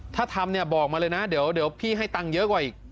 ถ้าทำเนี่ยบอกมาเลยนะเดี๋ยวพี่ให้ตังค์เยอะกว่าอีก